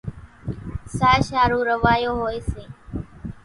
ساش ۿارُو روايو هوئيَ سي۔